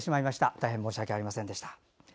大変申し訳ございませんでした。